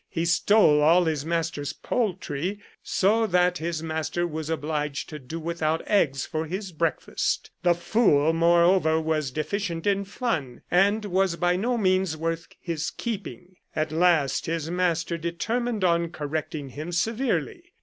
He stole all his master's poultry, so that his master was obliged to do without eggs for his breakfast. The fool, more over, was deficient in fun, and was by no means worth his keep. At last his master determined on correcting him severely.